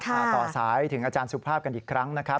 ต่อสายถึงอาจารย์สุภาพกันอีกครั้งนะครับ